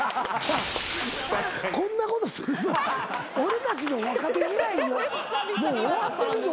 こんなことするの俺たちの若手時代にもう終わってるぞ。